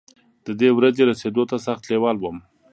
ددې ورځې رسېدو ته سخت لېوال وم.